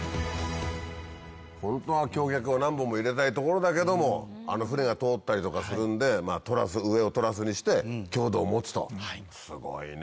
ホントは橋脚を何本も入れたいところだけど船が通ったりとかするんで上をトラスにして強度を持つとすごいね。